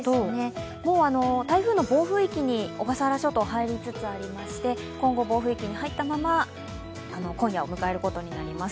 もう台風の暴風域に小笠原諸島は入りつつありまして今後暴風域に入ったまま今夜を迎えることになります。